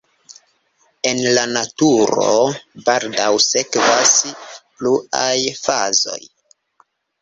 En la naturo baldaŭ sekvas pluaj fazoj.